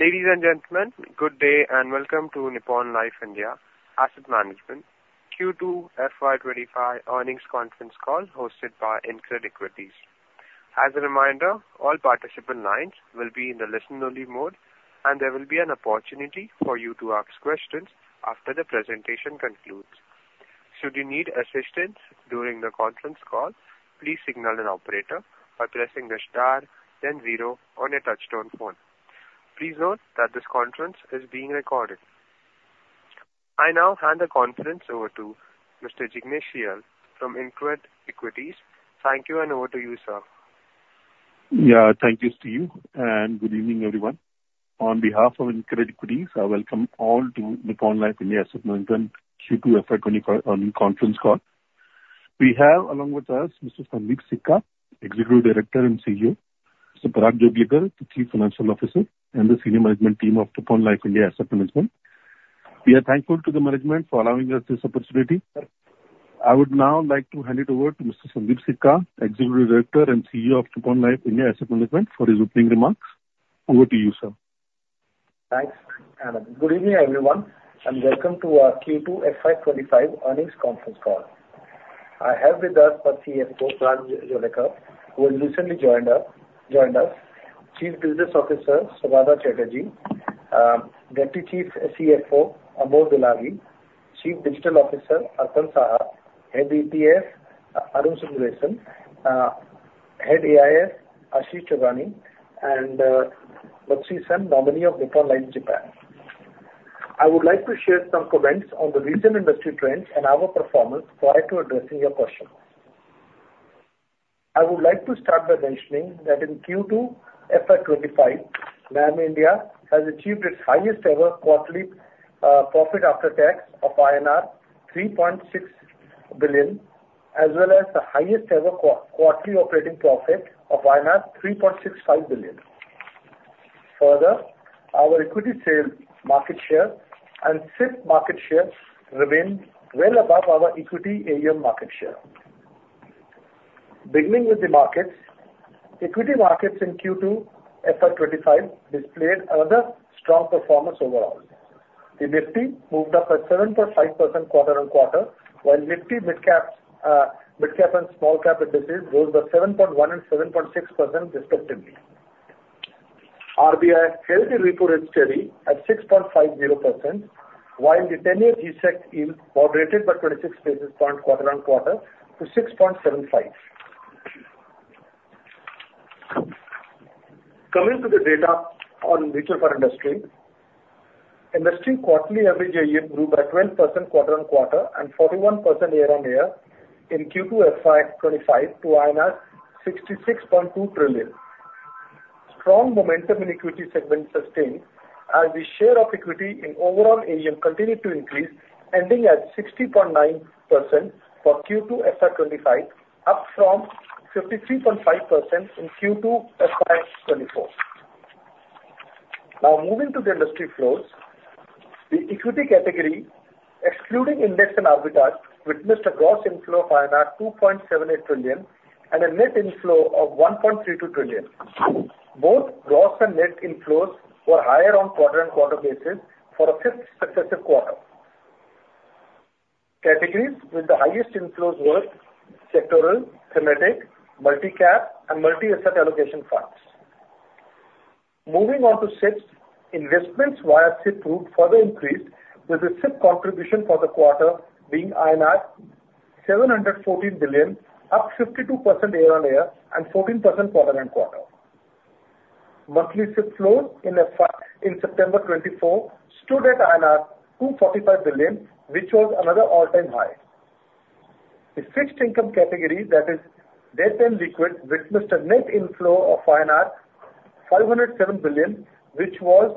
Ladies and gentlemen, good day and welcome to Nippon Life India Asset Management Q2 FY25 earnings conference call hosted by InCred Equities. As a reminder, all participant lines will be in the listen-only mode, and there will be an opportunity for you to ask questions after the presentation concludes. Should you need assistance during the conference call, please signal an operator by pressing the star then zero on your touchtone phone. Please note that this conference is being recorded. I now hand the conference over to Mr. Jignesh Shial from InCred Equities. Thank you, and over to you, sir. Yeah, thank you to you, and good evening, everyone. On behalf of InCred Equities, I welcome all to Nippon Life India Asset Management Q2 FY 2025 earnings conference call. We have along with us Mr. Sundeep Sikka, Executive Director and CEO, Mr. Parag Joglekar, the Chief Financial Officer, and the senior management team of Nippon Life India Asset Management. We are thankful to the management for allowing us this opportunity. I would now like to hand it over to Mr. Sundeep Sikka, Executive Director and CEO of Nippon Life India Asset Management, for his opening remarks. Over to you, sir. Thanks. Good evening, everyone, and welcome to our Q2 FY 2025 earnings conference call. I have with us our CFO, Parag Joglekar, who has recently joined us, Chief Business Officer, Saugata Chatterjee, Deputy Chief Financial Officer, Amol Biloy, Chief Digital Officer, Arpanarghya Saha, Head of ETF, Arun Sundaresan, Head of AIF, Ashish Chugani, and Matsui-san, nominee of Nippon Life Japan. I would like to share some comments on the recent industry trends and our performance prior to addressing your questions. I would like to start by mentioning that in Q2 FY 2025, NIM India has achieved its highest ever quarterly profit after tax of INR 3.6 billion, as well as the highest ever quarterly operating profit of INR 3.65 billion. Further, our equity sales market share and SIP market share remain well above our equity AUM market share. Beginning with the markets, equity markets in Q2 FY25 displayed another strong performance overall. The Nifty moved up at 7.5% quarter-on-quarter, while Nifty Midcap and Smallcap indices rose by 7.1% and 7.6% respectively. RBI held the repo rate steady at 6.50%, while the ten-year G-Sec yield moderated by 26 basis points quarter-on-quarter to 6.75. Coming to the data on mutual fund industry, industry quarterly average AUM grew by 12% quarter-on-quarter and 41% year-on-year in Q2 FY25 to INR 66.2 trillion. Strong momentum in equity segment sustained as the share of equity in overall AUM continued to increase, ending at 60.9% for Q2 FY25, up from 53.5% in Q2 FY24. Now moving to the industry flows. The equity category, excluding index and arbitrage, witnessed a gross inflow of 2.78 trillion and a net inflow of 1.32 trillion. Both gross and net inflows were higher on quarter-on-quarter basis for a 5th successive quarter. Categories with the highest inflows were sectoral, thematic, multi-cap and multi-asset allocation funds. Moving on to SIPs. Investments via SIP route further increased, with the SIP contribution for the quarter being INR 714 billion, up 52% year-on-year and 14% quarter-on-quarter. Monthly SIP flow in FY-- in September 2024 stood at INR 245 billion, which was another all-time high. The fixed income category, that is, debt and liquid, witnessed a net inflow of INR 507 billion, which was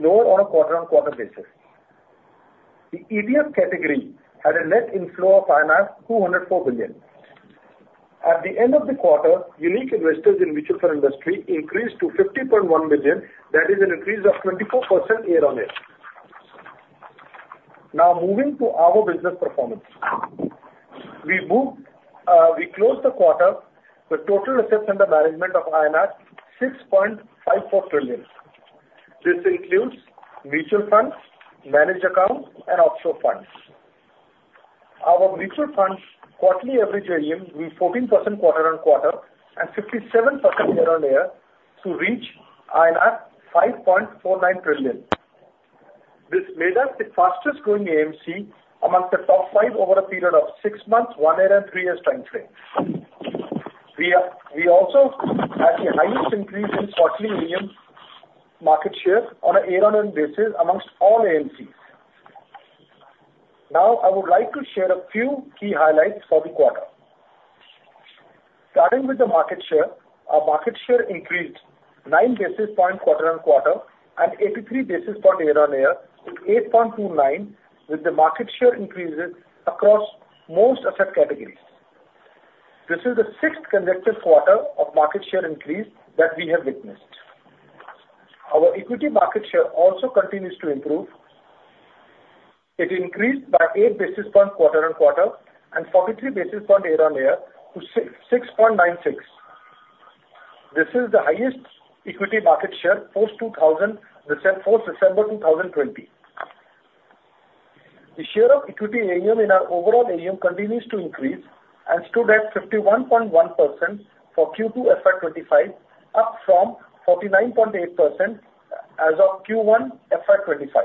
lower on a quarter-on-quarter basis. The ETF category had a net inflow of 204 billion. At the end of the quarter, unique investors in mutual fund industry increased to 50.1 million. That is an increase of 24% year-on-year. Now moving to our business performance. We closed the quarter with total assets under management of INR 6.54 trillion. This includes mutual funds, managed accounts and offshore funds. Our mutual funds quarterly average AUM grew 14% quarter-on-quarter and 57% year-on-year to reach INR 5.49 trillion. This made us the fastest growing AMC among the top five over a period of six months, one year and three years time frame. We also had the highest increase in quarterly AUM market share on a year-on-year basis among all AMCs. Now, I would like to share a few key highlights for the quarter. Starting with the market share. Our market share increased nine basis points quarter-on-quarter and 83 basis points year-on-year to 8.29, with the market share increases across most asset categories. This is the sixth consecutive quarter of market share increase that we have witnessed. Our equity market share also continues to improve. It increased by eight basis points quarter-on-quarter and 43 basis points year-on-year to 6.96. This is the highest equity market share post-2000 December, post-December 2020. The share of equity AUM in our overall AUM continues to increase and stood at 51.1% for Q2 FY25, up from 49.8% as of Q1 FY25.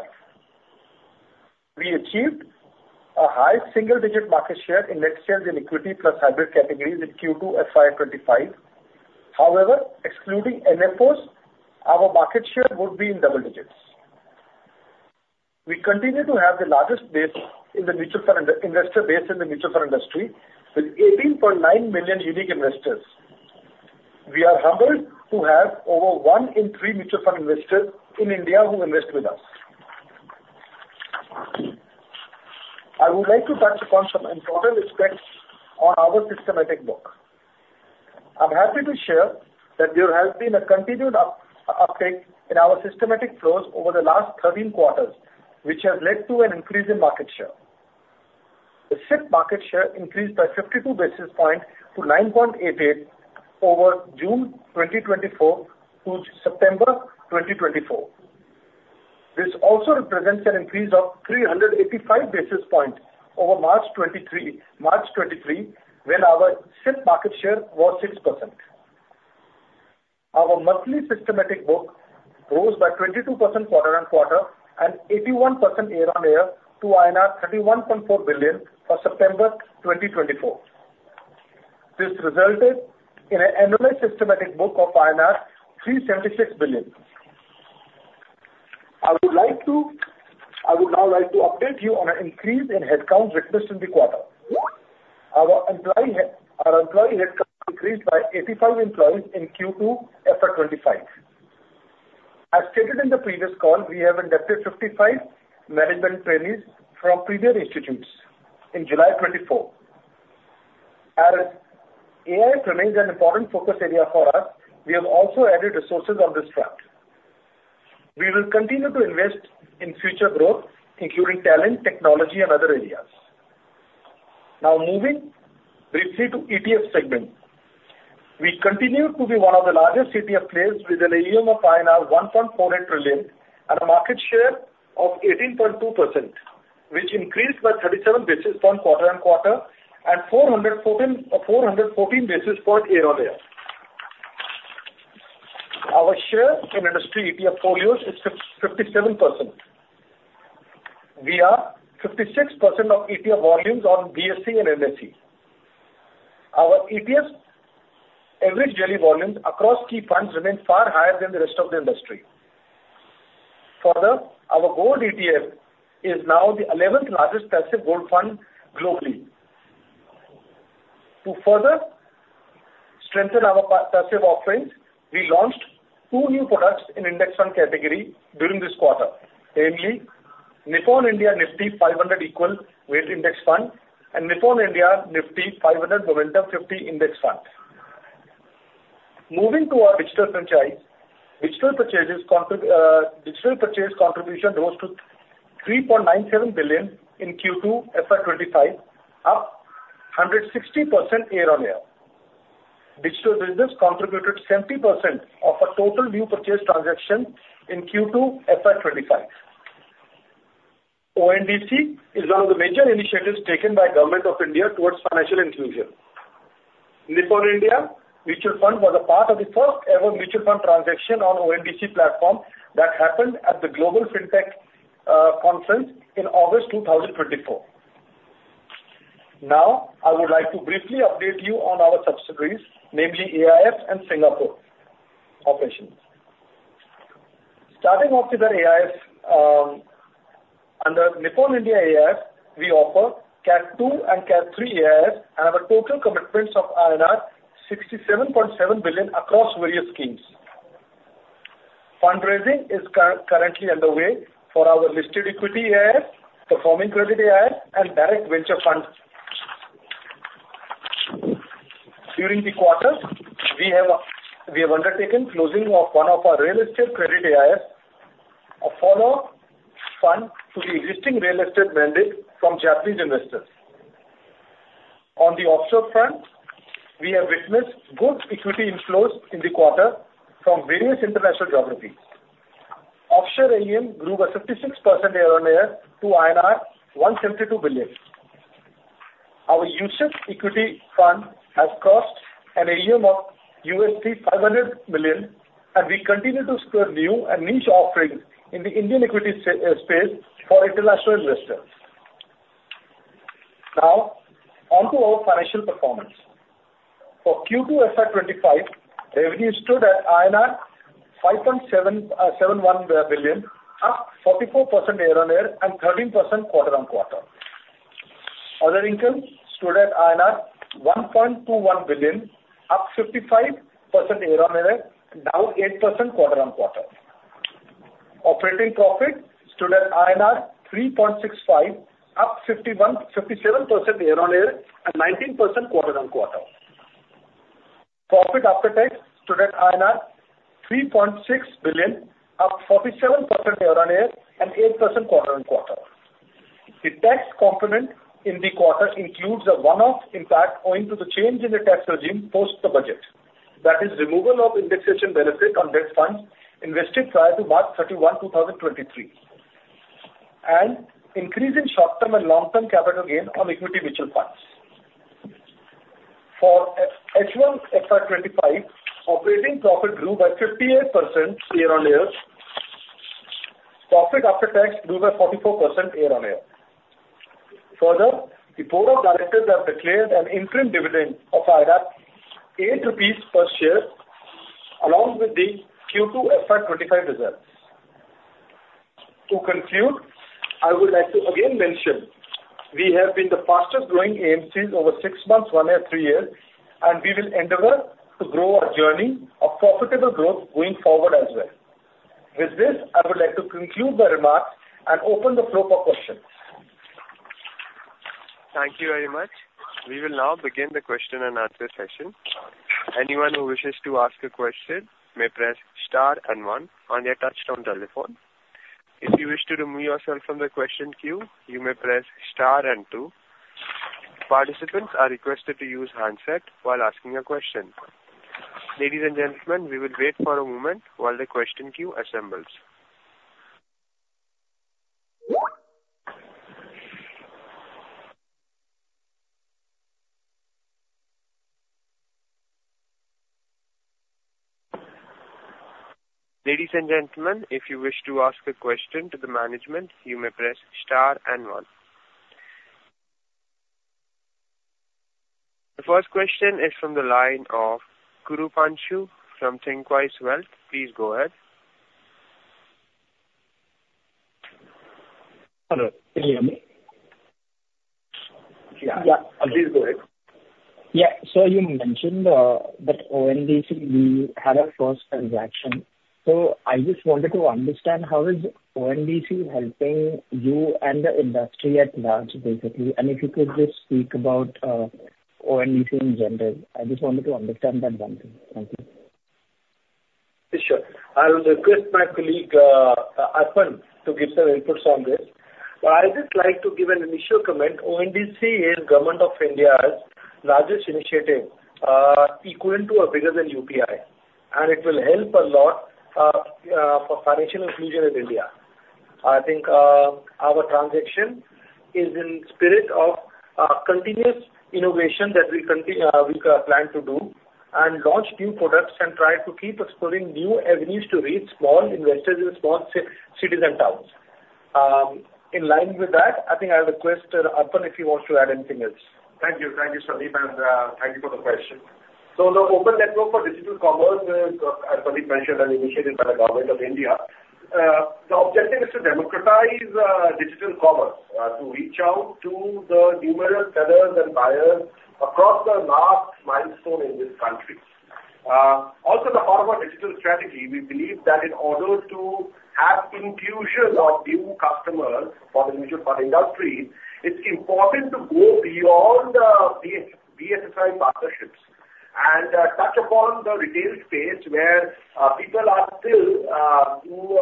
We achieved a high single-digit market share in equity and hybrid categories in Q2 FY25. However, excluding NFOs, our market share would be in double digits. We continue to have the largest base in the mutual fund investor base in the mutual fund industry with 18.9 million unique investors. We are humbled to have over one in three mutual fund investors in India who invest with us. I would like to touch upon some important aspects on our systematic book. I'm happy to share that there has been a continued uptake in our systematic flows over the last thirteen quarters, which has led to an increase in market share. The SIP's market share increased by 52 basis points to 9.88% over June 2024 to September 2024. This also represents an increase of 385 basis points over March 2023, when our SIP's market share was 6%. Our monthly systematic book rose by 22% quarter-on-quarter and 81% year-on-year to INR 31.4 billion for September 2024. This resulted in an annual systematic book of INR 376 billion. I would now like to update you on an increase in headcount witnessed in the quarter. Our employee headcount increased by 85 employees in Q2 FY 2025. As stated in the previous call, we have inducted 55 management trainees from premier institutes in July 2024. As AIF remains an important focus area for us, we have also added resources on this front. We will continue to invest in future growth, including talent, technology, and other areas. Now moving briefly to ETF segment. We continue to be one of the largest ETF players with an AUM of INR 1.48 trillion and a market share of 18.2%, which increased by 37 basis points quarter-on-quarter and 414 basis points year-on-year. Our share in industry ETF portfolios is 57%. We are 56% of ETF volumes on BSE and NSE. Our ETF average daily volumes across key funds remain far higher than the rest of the industry. Further, our gold ETF is now the eleventh largest passive gold fund globally. To further strengthen our passive offerings, we launched two new products in index fund category during this quarter, namely Nippon India Nifty 500 Equal Weight Index Fund and Nippon India Nifty 500 Momentum 50 Index Fund. Moving to our digital franchise. Digital purchase contribution rose to 3.97 billion in Q2 FY 2025, up 160% year -on-year. Digital business contributed 70% of our total new purchase transactions in Q2 FY 2025. ONDC is one of the major initiatives taken by Government of India towards financial inclusion. Nippon India Mutual Fund was a part of the first-ever mutual fund transaction on ONDC platform that happened at the Global Fintech Conference in August two thousand and twenty-four. Now, I would like to briefly update you on our subsidiaries, namely AIF and Singapore operations. Starting off with our AIF, under Nippon India AIF, we offer Cat II and Cat III AIFs and have total commitments of INR 67.7 billion across various schemes. Fundraising is currently underway for our listed equity AIF, performing credit AIF, and direct venture fund. During the quarter, we have undertaken closing of one of our real estate credit AIF, a follow fund to the existing real estate mandate from Japanese investors. On the offshore front, we have witnessed good equity inflows in the quarter from various international geographies. Offshore AUM grew by 56% year-on-year to INR 172 billion. Our US equity fund has crossed an AUM of $500 million, and we continue to explore new and niche offerings in the Indian equity space for international investors. Now, onto our financial performance. For Q2 FY25, revenue stood at INR 5.771 billion, up 44% year-on-year and 13% quarter-on-quarter. Other income stood at INR 1.21 billion, up 55% year-on-year, and down 8% quarter-on-quarter. Operating profit stood at INR 3.65 billion, up 57% year-on-year and 19% quarter-on-quarter. Profit after tax stood at INR 3.6 billion, up 47% year-on-year and 8% quarter-on-quarter. The tax component in the quarter includes a one-off impact owing to the change in the tax regime post the budget. That is removal of indexation benefit on debt funds invested prior to March thirty-one, two thousand twenty-three, and increase in short term and long term capital gain on equity mutual funds. For H1 FY25, operating profit grew by 58% year-on-year. Profit after tax grew by 44% year-on-year. Further, the board of directors have declared an interim dividend of 8 rupees per share, along with the Q2 FY25 results. To conclude, I would like to again mention, we have been the fastest growing AMC over six months, one year, three years, and we will endeavor to grow our journey of profitable growth going forward as well. With this, I would like to conclude my remarks and open the floor for questions. Thank you very much. We will now begin the question and answer session. Anyone who wishes to ask a question may press star and one on your touchtone telephone. If you wish to remove yourself from the question queue, you may press star and two. Participants are requested to use handset while asking a question. Ladies and gentlemen, we will wait for a moment while the question queue assembles. Ladies and gentlemen, if you wish to ask a question to the management, you may press star and one. The first question is from the line of Krupanshu from Thinqwise Wealth. Please go ahead. Hello, can you hear me? Yeah. Yeah, please go ahead. Yeah. So you mentioned, that ONDC, we had our first transaction. So I just wanted to understand, how is ONDC helping you and the industry at large, basically? And if you could just speak about, ONDC in general. I just wanted to understand that one thing. Thank you. Sure. I will request my colleague, Arpan, to give some inputs on this. But I just like to give an initial comment. ONDC is Government of India's largest initiative, equivalent to or bigger than UPI, and it will help a lot, for financial inclusion in India. I think, our transaction is in spirit of, continuous innovation that we plan to do and launch new products and try to keep exploring new avenues to reach small investors in small cities and towns. In line with that, I think I'll request, Arpan, if he wants to add anything else. Thank you. Thank you, Sundeep, and thank you for the question so the Open Network for Digital Commerce is, as Sundeep mentioned, an initiative by the Government of India. The objective is to democratize digital commerce to reach out to the numerous sellers and buyers across the large masses in this country. Also at the heart of our digital strategy, we believe that in order to have inclusion of new customers for the mutual fund industry, it's important to go beyond the B2B partnerships and touch upon the retail space where people are still who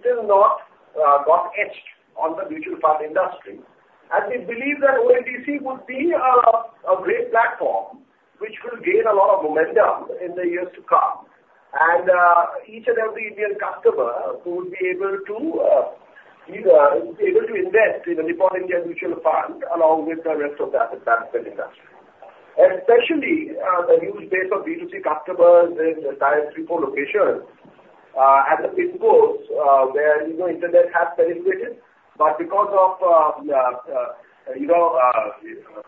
still not got touched on the mutual fund industry, and we believe that ONDC would be a great platform, which will gain a lot of momentum in the years to come. Each and every Indian customer who would be able to, you know, invest in a Nippon India mutual fund along with the rest of the industry. Especially, the huge base of B2C customers in tier three, four locations at the grassroots, where, you know, internet has penetrated, but because of, you know,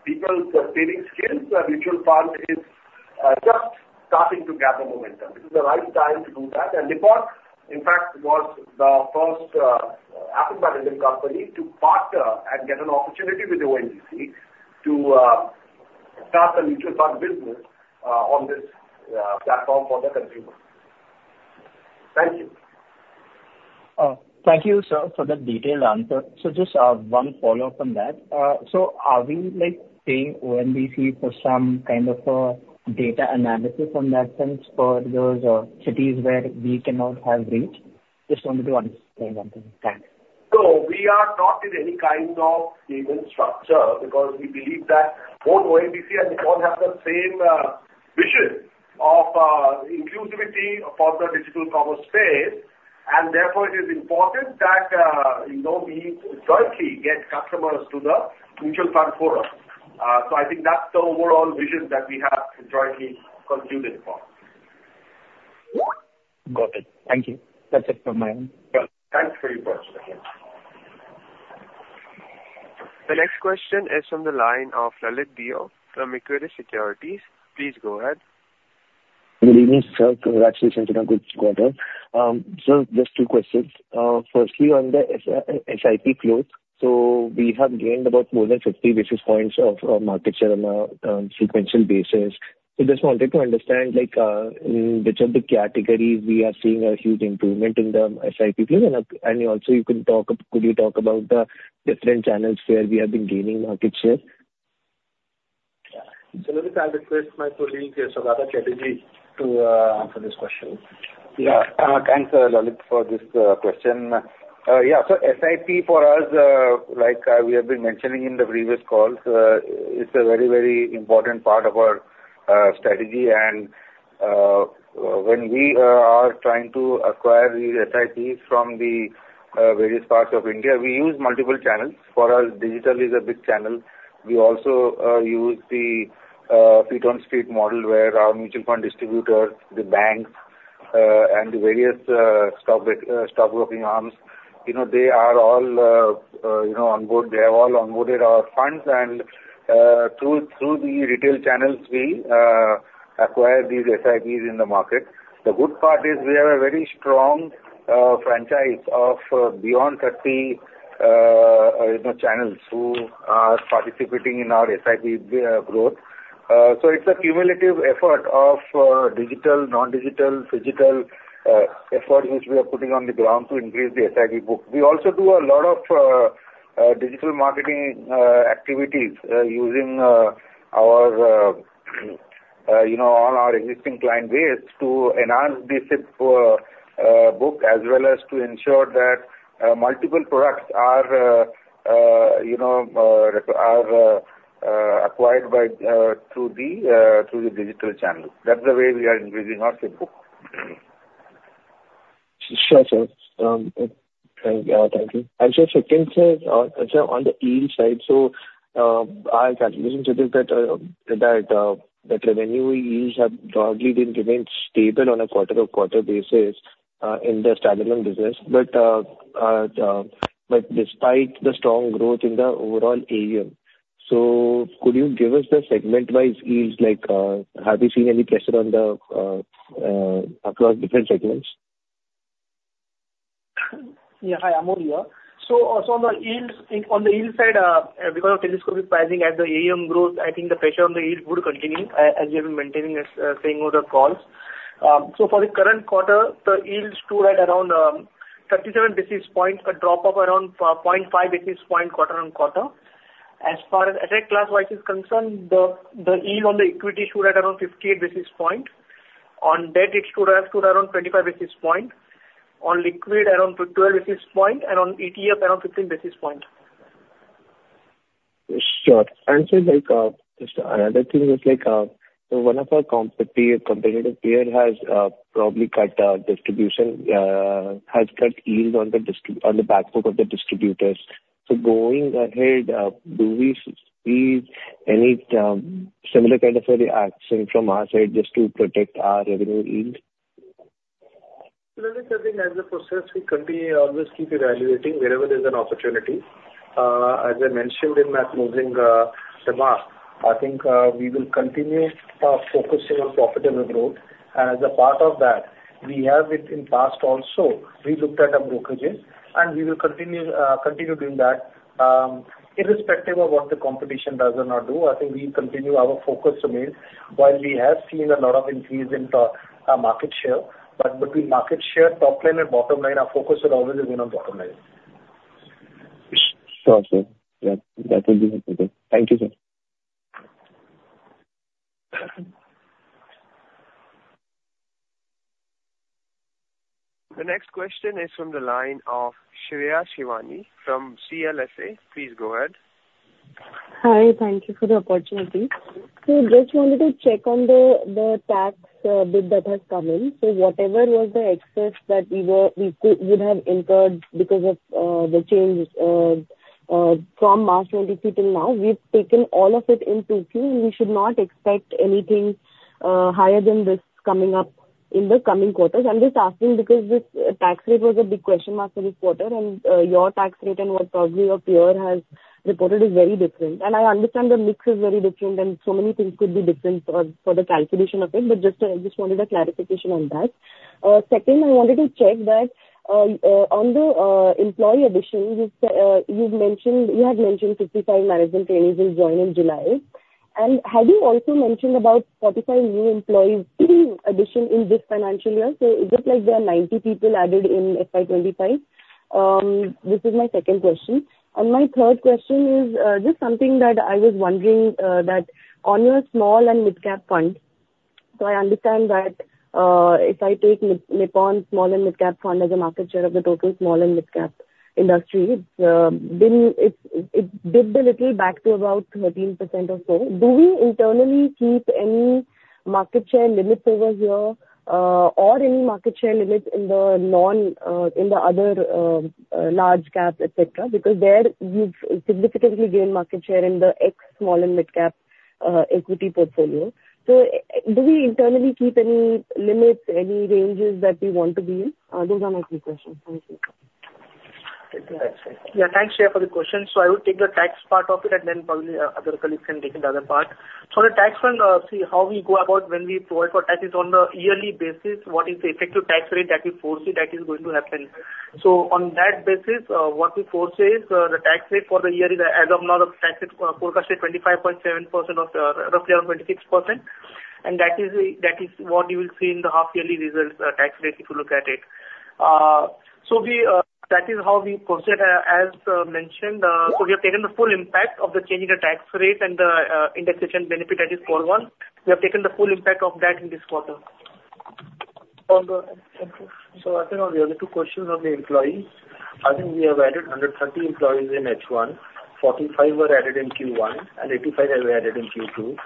people's saving skills, the mutual fund is just starting to gather momentum. This is the right time to do that. Nippon India, in fact, was the first asset management company to partner and get an opportunity with ONDC to start the mutual fund business on this platform for the consumer. Thank you. Thank you, sir, for the detailed answer. So just, one follow-up on that. So are we, like, paying ONDC for some kind of, data analysis from that sense for those, cities where we cannot have reach? Just wanted to understand one thing. Thank you. We are not in any kind of payment structure because we believe that both ONDC and Nippon have the same vision of inclusivity for the digital commerce space, and therefore, it is important that, you know, we jointly get customers to the mutual fund forum. So I think that's the overall vision that we have jointly concluded for. Got it. Thank you. That's it from my end. Thanks for your question. The next question is from the line of Lalit Deo from Equirus Securities. Please go ahead. Good evening, sir. Congratulations on a good quarter. So just two questions. Firstly, on the SIP flows. So we have gained about more than 50 basis points of market share on a sequential basis. So just wanted to understand, like, which are the categories we are seeing a huge improvement in the SIP flows? And also you could talk. Could you talk about the different channels where we have been gaining market share? So let me, I'll request my colleague, Saugata Chatterjee, to answer this question. Yeah, thanks, Lalit, for this question. Yeah, so SIP for us, like, we have been mentioning in the previous calls, it's a very, very important part of our strategy. And, when we are trying to acquire these SIPs from the various parts of India, we use multiple channels. For us, digital is a big channel. We also use the feet on street model, where our mutual fund distributors, the banks, and the various stockbroking arms, you know, they are all, you know, on board. They have all onboarded our funds, and, through the retail channels we acquire these SIPs in the market. The good part is we have a very strong franchise of beyond thirty channels who are participating in our SIP growth. So it's a cumulative effort of digital, non-digital, physical effort which we are putting on the ground to increase the SIP book. We also do a lot of digital marketing activities using our you know on our existing client base to enhance the SIP book, as well as to ensure that multiple products are you know acquired through the digital channel. That's the way we are increasing our SIP book. Sure, sir. Thank you. And so secondly, on the yield side, our calculations suggest that the revenue yields have broadly been remained stable on a quarter over quarter basis in the standalone business. But despite the strong growth in the overall AUM, so could you give us the segment-wise yields, like, have you seen any pressure across different segments? Yeah, hi, Amol here. On the yields, on the yield side, because of telescopic pricing as the AUM grows, I think the pressure on the yield would continue, as we have been maintaining this saying over the calls. For the current quarter, the yields stood at around 37 basis points, a drop of around point five basis point, quarter-on-quarter. As far as asset class-wise is concerned, the yield on the equity stood at around 58 basis point. On debt, it stood around 25 basis point, on liquid, around 12 basis point, and on ETF, around 15 basis point. Sure. And so, like, just another thing is, like, so one of our competitive peer has probably cut distribution yields on the back book of the distributors. So going ahead, do we see any similar kind of action from our side just to protect our revenue yield? Lalit, I think as a process, we continue, always keep evaluating wherever there's an opportunity. As I mentioned in my closing remarks, I think we will continue focusing on profitable growth. As a part of that, we have in the past also, we looked at our brokerages, and we will continue doing that. Irrespective of what the competition does or not do, I think we continue our focus on yield. While we have seen a lot of increase in the market share, but between market share, top line and bottom line, our focus is always going on bottom line. Sure, sir. Yeah, that will be helpful. Thank you, sir. The next question is from the line of Shreya Shivani from CLSA. Please go ahead. Hi, thank you for the opportunity. So just wanted to check on the tax bill that has come in. So whatever was the expense that we would have incurred because of the change from March 2023 till now, we've taken all of it in Q2, we should not expect anything higher than this coming up in the coming quarters? I'm just asking because this tax rate was a big question mark for this quarter, and your tax rate and what probably your peer has reported is very different. And I understand the mix is very different, and so many things could be different for the calculation of it, but just to I just wanted a clarification on that. Second, I wanted to check that, on the employee addition, you've mentioned, you had mentioned 55 management trainees will join in July. And had you also mentioned about 45 new employees to be addition in this financial year? So it looks like there are 90 people added in FY25. This is my second question. And my third question is, just something that I was wondering, that on your small and mid-cap fund, so I understand that, if I take Nippon Small and Mid-Cap Fund as a market share of the total small and mid-cap industry, then it dipped a little back to about 13% or so. Do we internally keep any market share limits over here, or any market share limits in the non, in the other, large cap, et cetera? Because there you've significantly gained market share in the ex-small and mid-cap equity portfolio. So do we internally keep any limits, any ranges that we want to be in? Those are my three questions. Thank you. Yeah. Thanks, Shreya, for the question. So I will take the tax part of it, and then probably, other colleagues can take the other part. For the tax one, see, how we go about when we provide for taxes on a yearly basis, what is the effective tax rate that we foresee that is going to happen? So on that basis, what we foresee is, the tax rate for the year is, as of now, the tax rate, forecasted 25.7% of, roughly around 26%. And that is, that is what you will see in the half-yearly results, tax rate, if you look at it. So we, that is how we proceed. As mentioned, so we have taken the full impact of the change in the tax rate and the, indexation benefit, that is for one. We have taken the full impact of that in this quarter. So I think on the other two questions on the employees, I think we have added hundred and thirty employees in H1. Forty-five were added in Q1, and eighty-five have been added in Q2.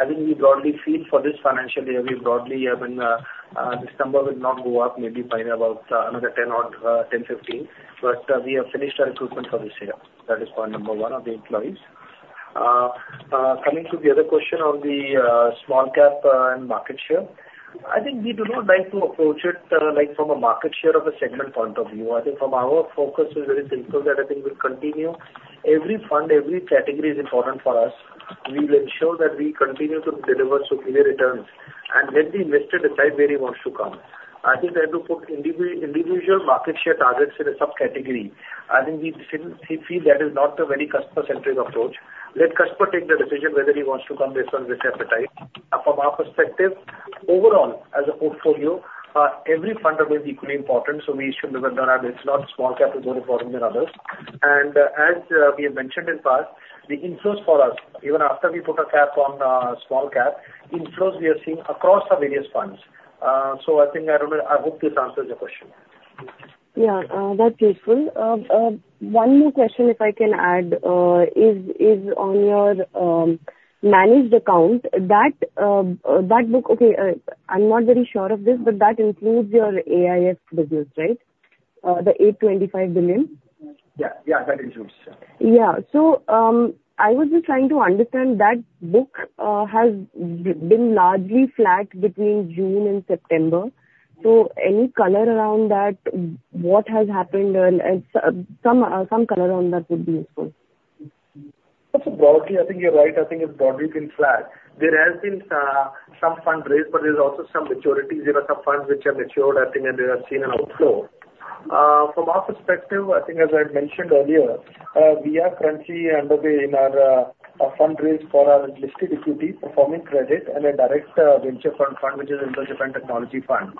I think we broadly feel for this financial year, we broadly have been, this number will not go up, maybe by about, another ten or, ten, fifteen, but, we have finished our recruitment for this year. That is point number one on the employees. Coming to the other question on the small cap and market share, I think we do not like to approach it like from a market share of a segment point of view. I think from our focus is very simple, that I think we'll continue. Every fund, every category is important for us. We will ensure that we continue to deliver superior returns and let the investor decide where he wants to come. I think they have to put individual market share targets in a subcategory. I think we feel that is not a very customer-centric approach. Let customer take the decision whether he wants to come based on this appetite. From our perspective, overall, as a portfolio, every fund is equally important, so we should. It's not small cap is more important than others. And, as we have mentioned in the past, the inflows for us, even after we put a cap on small cap, inflows we are seeing across the various funds. So I think, I don't know, I hope this answers your question. Yeah, that's useful. One more question if I can add, on your managed account, that book. Okay, I'm not very sure of this, but that includes your AIF business, right? The 825 billion. Yeah. Yeah, that includes. Yeah. So, I was just trying to understand that book has been largely flat between June and September. So any color around that? What has happened, and some color around that would be useful. So broadly, I think you're right. I think it's broadly been flat. There has been some fundraise, but there's also some maturities. There are some funds which have matured, I think, and they have seen an outflow. From our perspective, I think as I mentioned earlier, we are currently underway in our a fundraise for our listed equity, performing credit and a direct venture fund, which is a venture fund technology fund.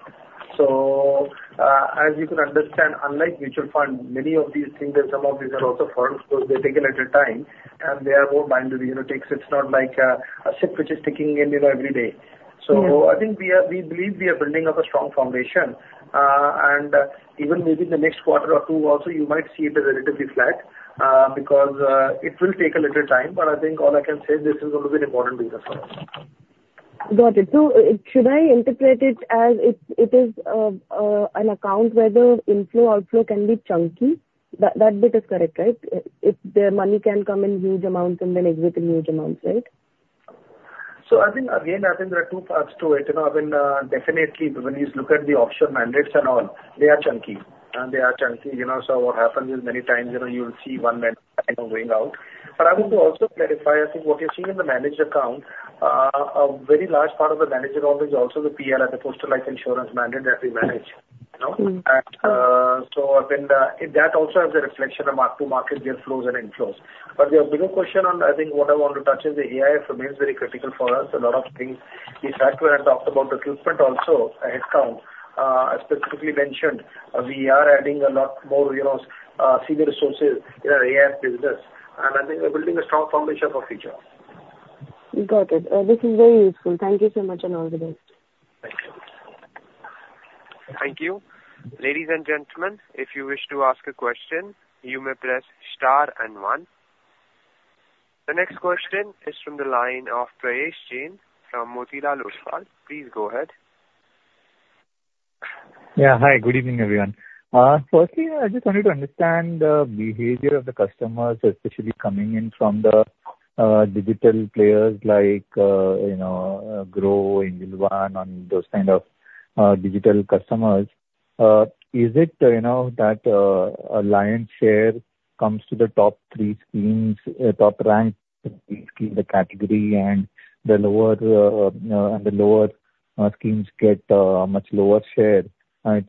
So, as you can understand, unlike mutual fund, many of these things, and some of these are also firms, so they take a little time, and they are more binary. You know, it takes, it's not like a SIP which is ticking in, you know, every day. Mm-hmm. I think we believe we are building up a strong foundation. Even maybe in the next quarter or two, also, you might see it as relatively flat, because it will take a little time, but I think all I can say, this is going to be an important business for us. Got it. So should I interpret it as it is an account whether inflow, outflow can be chunky? That bit is correct, right? If the money can come in huge amounts and then exit in huge amounts, right? So I think, again, I think there are two parts to it. You know, I mean, definitely when you look at the offshore mandates and all, they are chunky, and they are chunky. You know, so what happens is, many times, you know, you'll see one mandate kind of going out. But I want to also clarify, I think what you're seeing in the managed account, a very large part of the managed account is also the PLI, the Postal Life Insurance mandate that we manage, you know? Mm-hmm. I think that also has a reflection of mark-to-market, their flows and inflows, but your bigger question on, I think what I want to touch is the AIF remains very critical for us. A lot of things, when I talked about recruitment also, headcount. I specifically mentioned we are adding a lot more, you know, senior resources in our AIF business, and I think we're building a strong foundation for future. Got it. This is very useful. Thank you so much, and all the best. Thank you. Thank you. Ladies and gentlemen, if you wish to ask a question, you may press star and one. The next question is from the line of Prayesh Jain from Motilal Oswal. Please go ahead. Yeah. Hi, good evening, everyone. Firstly, I just wanted to understand the behavior of the customers, especially coming in from the digital players like, you know, Groww, Angel One, and those kind of digital customers. Is it, you know, that a lion's share comes to the top three schemes top-ranked in the category and the lower schemes get much lower share?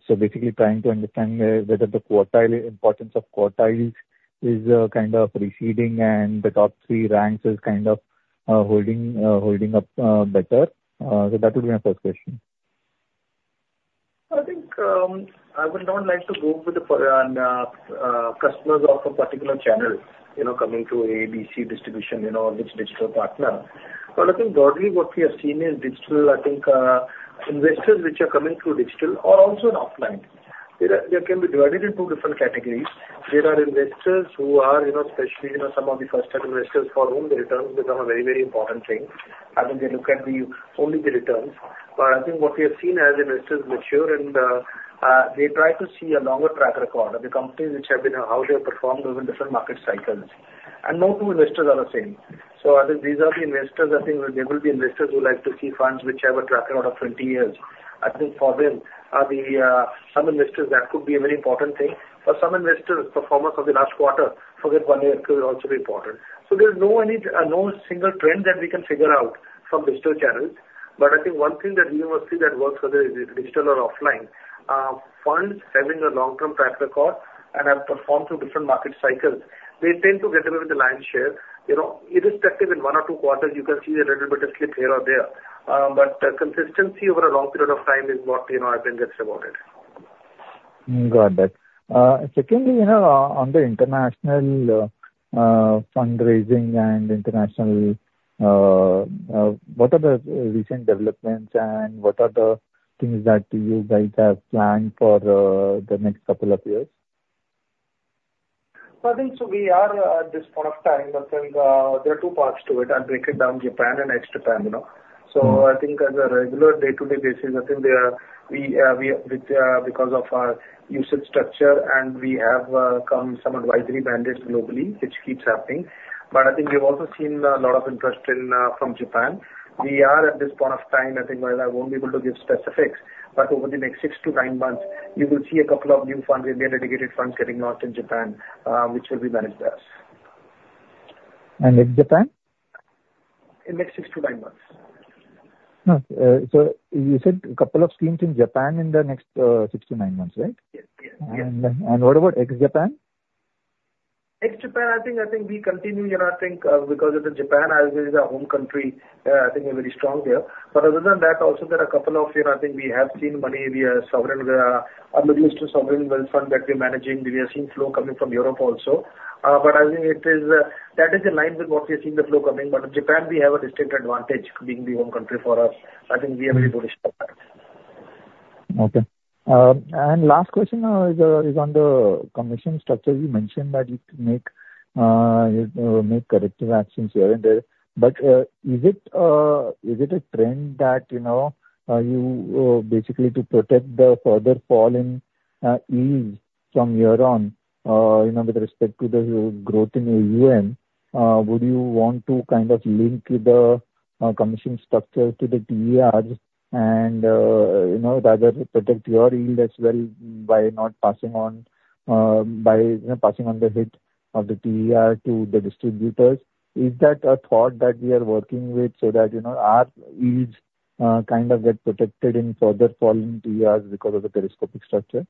So basically trying to understand whether the quartile importance of quartiles is kind of receding and the top three ranks is kind of holding up better? So that would be my first question. I think, I would not like to go with the for, customers of a particular channel, you know, coming to ABC distribution, you know, which digital partner. But I think broadly what we have seen in digital, I think, investors which are coming through digital are also offline. They are, they can be divided in two different categories. There are investors who are, you know, especially, you know, some of the first-time investors for whom the returns become a very, very important thing. I think they look at the, only the returns. But I think what we have seen as investors mature and, they try to see a longer track record of the companies which have been... How they have performed over different market cycles. And no two investors are the same. I think these are the investors. I think there will be investors who like to see funds which have a track record of twenty years. I think for them, some investors, that could be a very important thing. For some investors, performance of the last quarter for that one year could also be important. There's no single trend that we can figure out from digital channels. But I think one thing that we will see that works, whether it's digital or offline, funds having a long-term track record and have performed through different market cycles, they tend to get away with the lion's share. You know, irrespective in one or two quarters, you can see a little bit of slip here or there, but consistency over a long period of time is what, you know, I think that's about it. Got that. Secondly, you know, on the international fundraising and international, what are the recent developments and what are the things that you guys have planned for the next couple of years? So I think we are at this point of time. I think there are two parts to it. I'll break it down, Japan and ex-Japan, you know? I think as a regular day-to-day basis, with our unique structure, and we have some advisory mandates globally, which keeps happening. But I think we've also seen a lot of interest from Japan. We are at this point of time. I think while I won't be able to give specifics, but over the next six-to-nine months, you will see a couple of new funds, India-dedicated funds, getting launched in Japan, which will be managed by us. And ex-Japan? In the next six to nine months. So you said a couple of schemes in Japan in the next six to nine months, right? Yes. Yes. And, what about ex-Japan? Ex-Japan, I think we continue, you know, I think, because Japan is our home country, I think we're very strong there. But other than that, also there are a couple of years, I think we have seen money from a sovereign, a Middle Eastern sovereign wealth fund that we're managing. We are seeing flow coming from Europe also. But I think it is, that is in line with what we are seeing the flow coming, but Japan, we have a distinct advantage being the home country for us. I think we are very bullish for that. Okay. And last question is on the commission structure. You mentioned that you make corrective actions here and there. But, is it a trend that, you know, you basically to protect the further fall in yields from here on, you know, with respect to the growth in AUM, would you want to kind of link the commission structure to the TER and, you know, rather protect your yield as well by passing on the hit of the TER to the distributors? Is that a thought that we are working with so that, you know, our yields kind of get protected in further falling TERs because of the telescopic structure?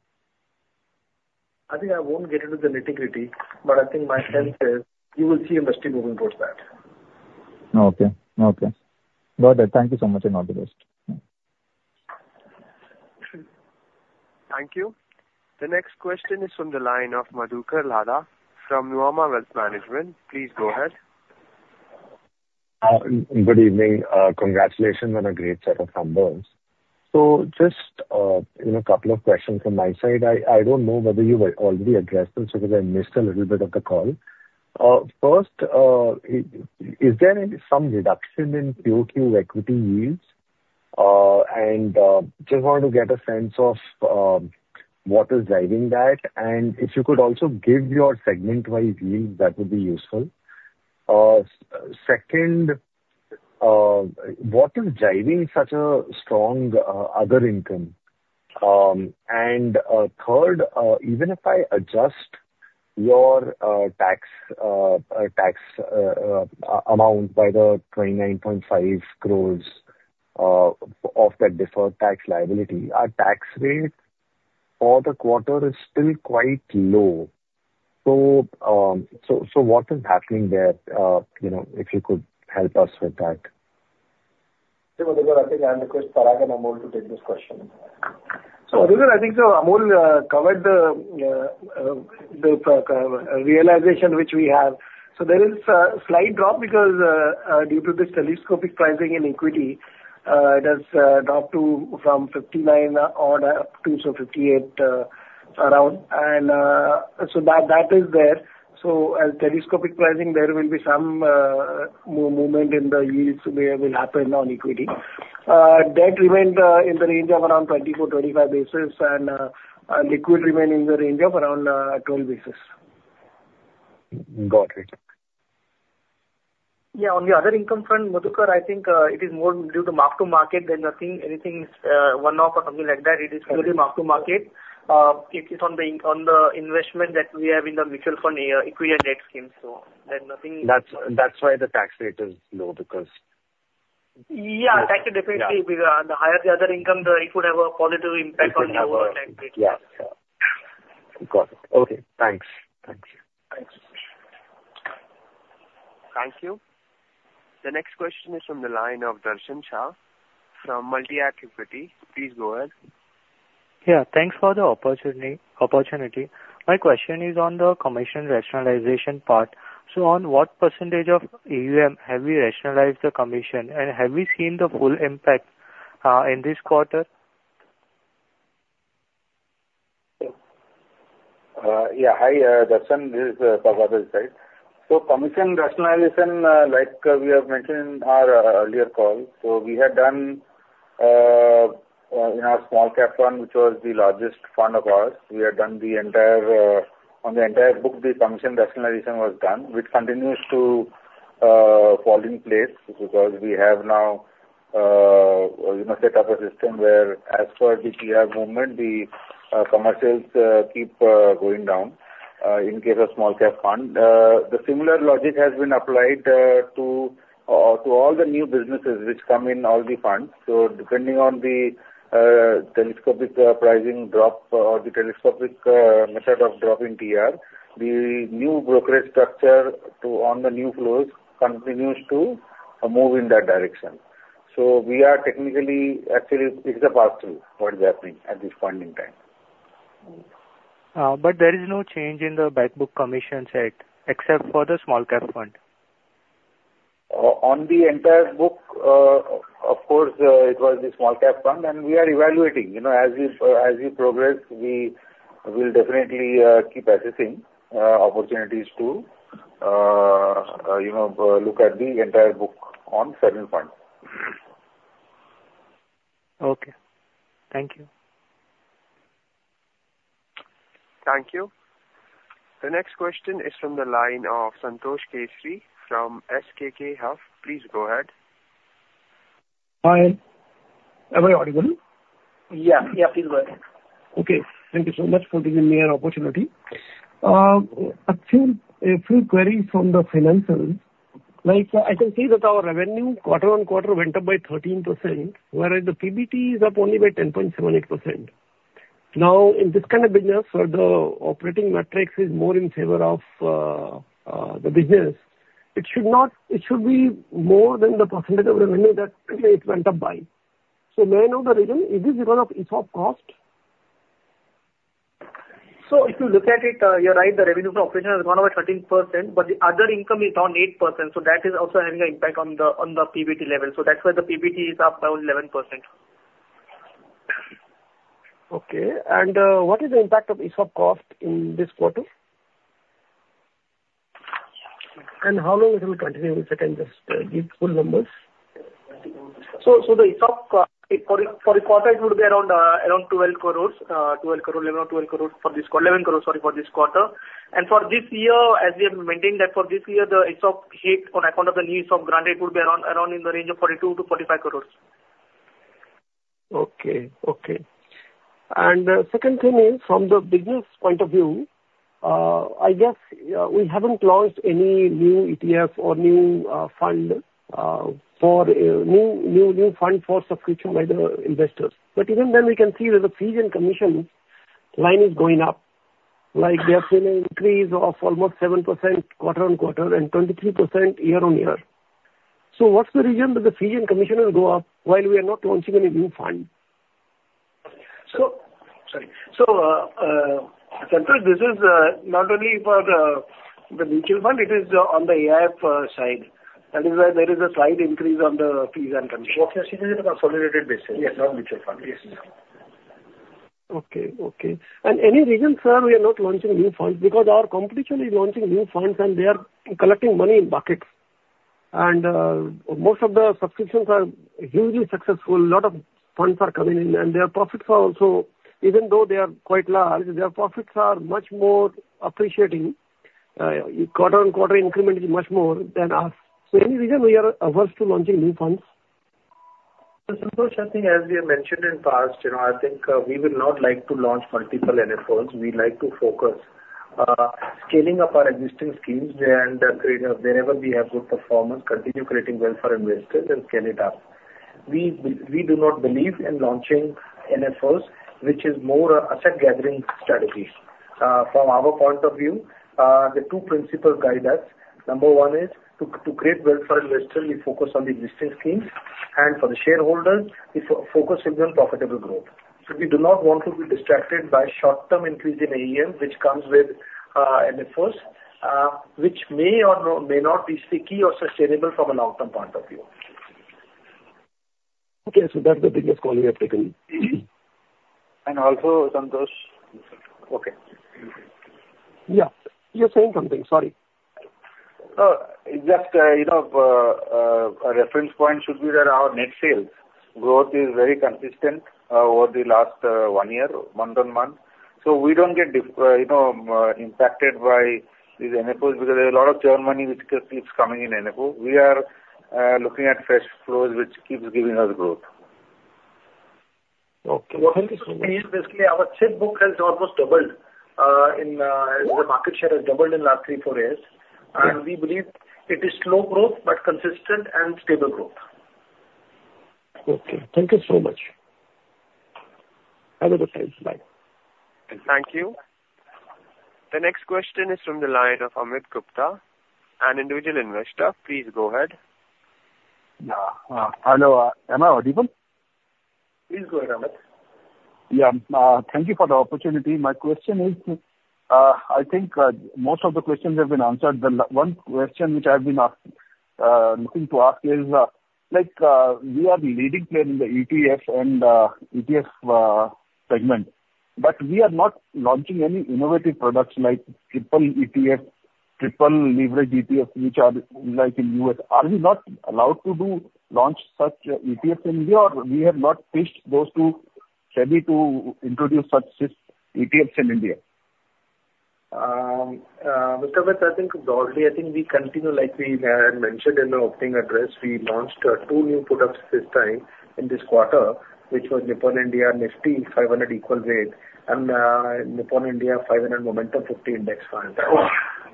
I think I won't get into the nitty-gritty, but I think my sense is you will see industry moving towards that. Okay. Okay. Got it. Thank you so much, and all the best. Thank you. The next question is from the line of Madhukar Ladha from Nuvama Wealth Management. Please go ahead. Good evening. Congratulations on a great set of numbers. So just, you know, a couple of questions from my side. I don't know whether you have already addressed them, so if I missed a little bit of the call. First, is there any some reduction in prior quarter equity yields? And just want to get a sense of what is driving that. And if you could also give your segment-wide yields, that would be useful. Second, what is driving such a strong other income? And third, even if I adjust your tax amount by the 29.5 crores of the deferred tax liability, our tax rate for the quarter is still quite low. So what is happening there? You know, if you could help us with that. Yeah, Madhukar, I think I'll request Parag and Amol to take this question. Madhukar, I think Amol covered the realization which we have. There is a slight drop because due to this telescopic pricing in equity, it has dropped from 59 or so to 58 around. That is there. As telescopic pricing, there will be some movement in the yields which will happen on equity. Debt remained in the range of around 24-25 basis, and liquid remain in the range of around 12 basis. Got it. Yeah, on the other income front, Madhukar, I think it is more due to mark-to-market than anything one-off or something like that. It is purely mark-to-market. It is on the investment that we have in the mutual fund equity and debt scheme. So there's nothing- That's why the tax rate is low, because. Yeah, tax definitely. Yeah. The higher the other income, it could have a positive impact on the overall tax rate. Yeah. Yeah. Got it. Okay, thanks. Thanks. Thanks. Thank you. The next question is from the line of Darshan Shah from Multi-Act Equity. Please go ahead. Yeah, thanks for the opportunity. My question is on the commission rationalization part. So on what percentage of AUM have you rationalized the commission, and have you seen the full impact in this quarter? Yeah. Hi, Darshan, this is Parag this side. So commission rationalization, like we have mentioned in our earlier call, so we had done in our small cap fund, which was the largest fund of ours. We had done the entire on the entire book, the commission rationalization was done, which continues to fall in place, because we have now you know set up a system where as per the TER movement, the commercials keep going down in case of small cap fund. The similar logic has been applied to to all the new businesses which come in all the funds. So depending on the telescopic pricing drop or the telescopic method of drop in TER, the new brokerage structure to on the new flows continues to move in that direction. So we are technically, actually, it's the pass-through what is happening at this point in time. But there is no change in the back book commission side, except for the small cap fund? On the entire book, of course, it was the small cap fund, and we are evaluating. You know, as we progress, we will definitely keep assessing opportunities to, you know, look at the entire book on certain points. Okay. Thank you. Thank you. The next question is from the line of Santosh Kesari from SKK Wealth. Please go ahead. Hi. Am I audible? Yeah, yeah, please go ahead. Okay. Thank you so much for giving me an opportunity. A few queries from the financials. Like, I can see that our revenue quarter-on-quarter went up by 13%, whereas the PBT is up only by 10.78%. Now, in this kind of business, where the operating metrics is more in favor of the business, it should be more than the percentage of revenue that it went up by. So may I know the reason? It is because of ESOP cost? So if you look at it, you're right, the revenue from operation has gone over 13%, but the other income is down 8%, so that is also having an impact on the PBT level. So that's why the PBT is up by only 11%. Okay. And, what is the impact of ESOP cost in this quarter? And how long it will continue, if I can just, give full numbers? So the ESOP for the quarter it would be around 12 crores, 11 or 12 crores for this quarter. 11 crores, sorry, for this quarter. And for this year, as we have maintained that for this year, the ESOP hit on account of the ESOP granted would be around in the range of 42-45 crores. Ok ok. Second thing is from the business point of view, I guess, we haven't launched any new ETF or new fund for subscription by the investors. But even then, we can see that the fees and commission line is going up, like they are seeing an increase of almost 7% quarter-on-quarter and 23% year-on-year. So what's the reason that the fees and commission will go up while we are not launching any new fund? Sorry. Santosh, this is not only for the mutual fund, it is on the AIF side. That is why there is a slight increase on the fees and commission. What you're seeing is a consolidated basis. Yes, not mutual funds. Yes. Okay. Okay. And any reason, sir, we are not launching new funds? Because our competition is launching new funds, and they are collecting money in buckets. And, most of the subscriptions are hugely successful. A lot of funds are coming in, and their profits are also even though they are quite large, their profits are much more appreciating. quarter-on-quarter increment is much more than us. So any reason we are averse to launching new funds? Santosh, I think as we have mentioned in the past, you know, I think, we would not like to launch multiple NFOs. We'd like to focus, scaling up our existing schemes and, wherever we have good performance, continue creating wealth for investors and scale it up. We do not believe in launching NFOs, which is more an asset gathering strategy. From our point of view, the two principles guide us. Number one is to create wealth for investors, we focus on the existing schemes, and for the shareholders, we focus on profitable growth. So we do not want to be distracted by short-term increase in AUM, which comes with NFOs, which may or may not be sticky or sustainable from a long-term point of view. Okay, so that's the biggest call you have taken. And also, Santosh, Okay. Yeah. You were saying something, sorry. It's just, you know, a reference point should be that our net sales growth is very consistent over the last one year, month on month. So we don't get, you know, impacted by these NFOs, because there's a lot of term money which keeps coming in NFO. We are looking at fresh flows, which keeps giving us growth. Okay. Thank you so much. Basically, our share book has almost doubled. The market share has doubled in last three, four years. Yeah. We believe it is slow growth, but consistent and stable growth. Okay, thank you so much. Have a good day. Bye. Thank you. The next question is from the line of Amit Gupta, an individual investor. Please go ahead. Hello, am I audible? Please go ahead, Amit. Yeah, thank you for the opportunity. My question is, I think, most of the questions have been answered. The one question which I've been asking, looking to ask is, like, we are the leading player in the ETF and ETF segment, but we are not launching any innovative products like triple ETF, triple leverage ETF, which are like in US. Are we not allowed to launch such ETF in India, or we have not pitched those to SEBI to introduce such ETFs in India? Mr. Amit, I think already, I think we continue, like we had mentioned in the opening address, we launched two new products this time in this quarter, which was Nippon India Nifty 500 Equal Weight and Nippon India 500 Momentum 50 Index Fund.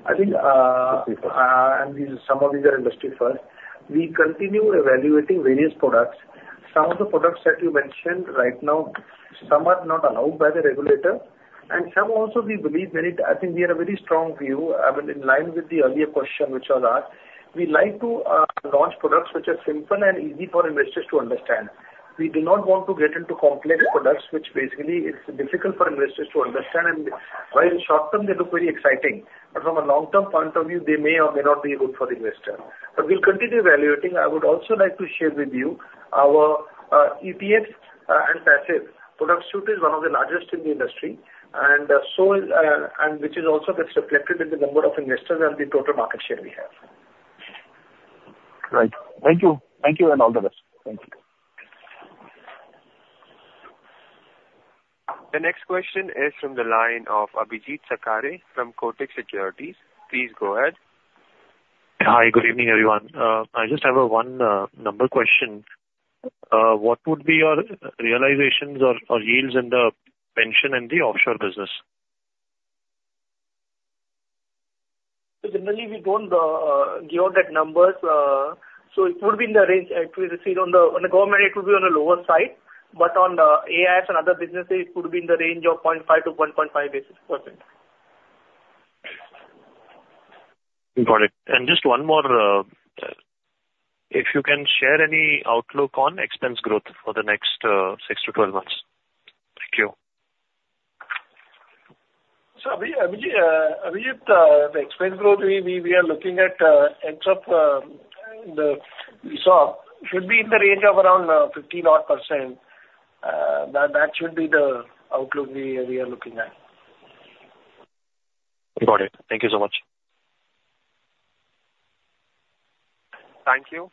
I think and these, some of these are industry first. We continue evaluating various products. Some of the products that you mentioned right now, some are not allowed by the regulator, and some also we believe very, I think we have a very strong view. I mean, in line with the earlier question which was asked, we like to launch products which are simple and easy for investors to understand. We do not want to get into complex products, which basically it's difficult for investors to understand. And while in short term they look very exciting, but from a long-term point of view, they may or may not be good for the investor. But we'll continue evaluating. I would also like to share with you our EPF and passive product suite is one of the largest in the industry, and so and which is also gets reflected in the number of investors and the total market share we have. Right. Thank you. Thank you and all the best. Thank you. The next question is from the line of Abhijeet Sakhare from Kotak Securities. Please go ahead. Hi, good evening, everyone. I just have a one, number question. What would be your realizations or, or yields in the pension and the offshore business? Generally, we don't give out those numbers. It would be in the range it will receive on the... On the government, it will be on the lower side, but on the AIF and other businesses, it could be in the range of 0.5-1.5 basis points. Got it. And just one more, if you can share any outlook on expense growth for the next, six to 12 months? Thank you. Abhijeet, the expense growth we are looking at ends up that we saw should be in the range of around 50-odd%. That should be the outlook we are looking at. Got it. Thank you so much. Thank you.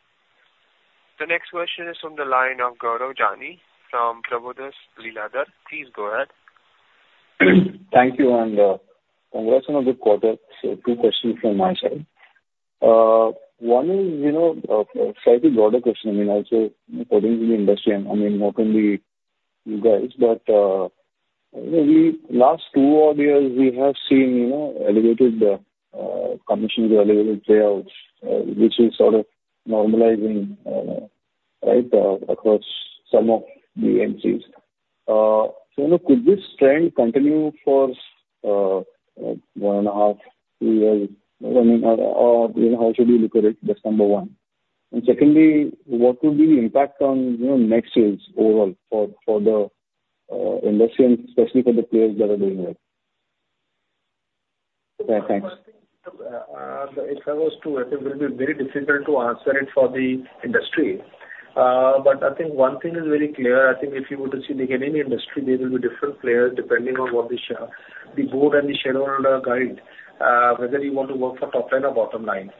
The next question is from the line of Gaurav Jani from Prabhudas Lilladher. Please go ahead. Thank you, and congratulations on the quarter. So two questions from my side. One is, you know, slightly broader question. I mean, also according to the industry, I mean, not only you guys, but, you know, the last two odd years we have seen, you know, elevated commissions, elevated payouts, which is sort of normalizing, right, across some of the MNCs. So now could this trend continue for, one and a half, two years? I mean, or, you know, how should we look at it? That's number one. And secondly, what would be the impact on, you know, next year's overall for the industry and especially for the players that are doing well? Yeah, thanks. If I was to, I think will be very difficult to answer it for the industry, but I think one thing is very clear. I think if you were to see like any industry, there will be different players depending on what the shareholders, the board and the shareholders guide, whether you want to work for top line or bottom line.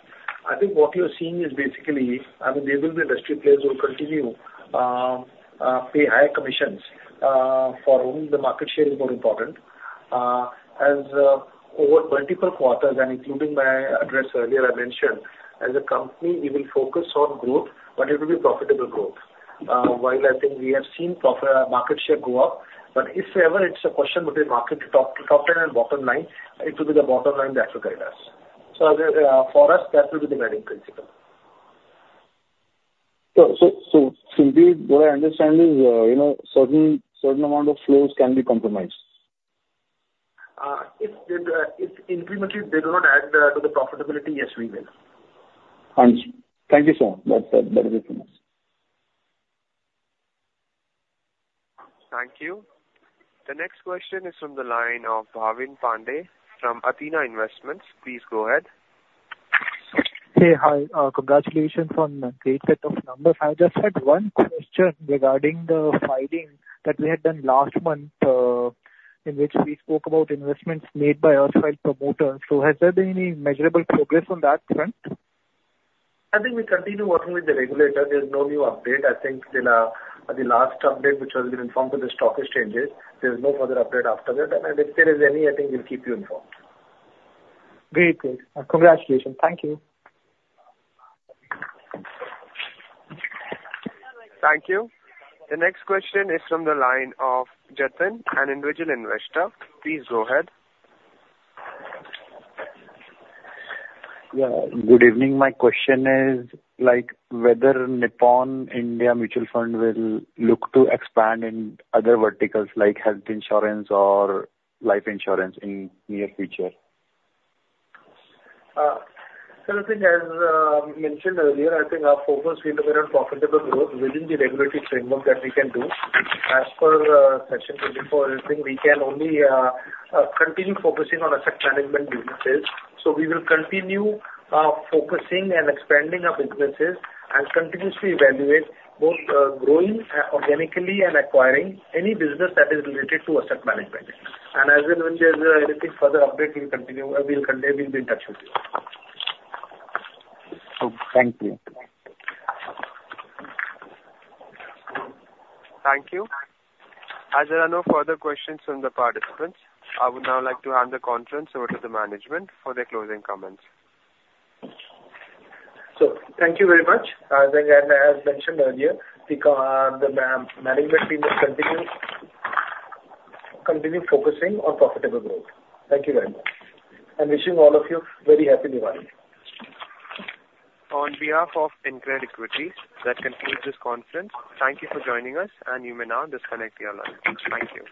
I think what you're seeing is basically, I mean, there will be industry players who continue pay higher commissions, for whom the market share is more important. As over multiple quarters, and including my address earlier, I mentioned, as a company, we will focus on growth, but it will be profitable growth. While I think we have seen profit, market share go up, but if ever it's a question between market top line and bottom line, it will be the bottom line that will guide us. So, for us, that will be the guiding principle. So simply what I understand is, you know, certain amount of flows can be compromised. If incrementally they do not add to the profitability, yes, we will. Understood. Thank you so much. That is it from us. Thank you. The next question is from the line of Bhavin Pande from Athena Investments. Please go ahead. Hey. Hi, congratulations on the great set of numbers. I just had one question regarding the filing that we had done last month, in which we spoke about investments made by erstwhile promoters. So has there been any measurable progress on that front? I think we continue working with the regulator. There's no new update. I think till the last update, which has been informed to the stock exchanges, there's no further update after that, and if there is any, I think we'll keep you informed. Very good. Congratulations. Thank you. Thank you. The next question is from the line of Jatin, an individual investor. Please go ahead. Yeah, good evening. My question is, like, whether Nippon India Mutual Fund will look to expand in other verticals like health insurance or life insurance in near future? I think as mentioned earlier, I think our focus will be on profitable growth within the regulatory framework that we can do. As per Section 24, I think we can only continue focusing on asset management businesses. We will continue focusing and expanding our businesses and continuously evaluate both growing organically and acquiring any business that is related to asset management. As and when there's anything further update, we'll continue, we'll be in touch with you. Okay. Thank you. Thank you. As there are no further questions from the participants, I would now like to hand the conference over to the management for their closing comments. Thank you very much. As I, as mentioned earlier, the management team will continue focusing on profitable growth. Thank you very much, and wishing all of you very happy Diwali. On behalf of InCred Equities, that concludes this conference. Thank you for joining us, and you may now disconnect your line. Thank you.